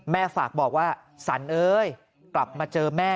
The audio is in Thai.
ฝากบอกว่าสันเอ้ยกลับมาเจอแม่